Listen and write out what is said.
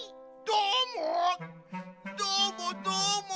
どーもどーも！